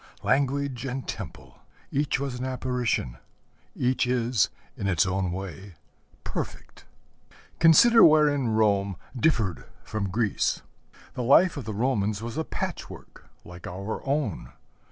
Language and temple each was an apparition; each is, in its own way, perfect. Consider wherein Rome differed from Greece. The life of the Romans was a patchwork, like our own.